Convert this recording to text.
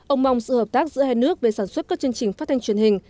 ông mong sự hợp tác giữa hai nước về sản xuất các chương trình phát thanh truyền hình